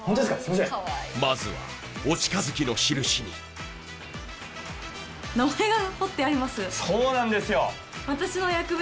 まずはお近づきの印にそうなんですよ